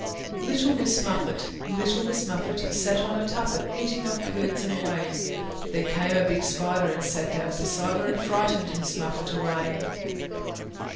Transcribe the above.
LITTLE MISS MUFFET Little Miss Muffet Sat on a tuffet Eating of curds and whey; There came a big Spider And sat down beside her, And frightened Miss Muffet away.